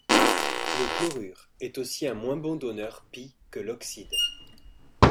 Le chlorure est aussi un moins bon donneur π que l'oxyde.